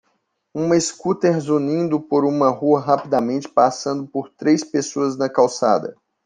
Uma scooter zunindo por uma rua rapidamente passando por três pessoas na calçada.